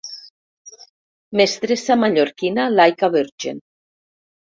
Mestressa mallorquina “like a virgin”.